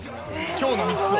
今日の３つを。